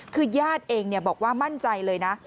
คือญาติเองบอกว่ามั่นใจเลยนะ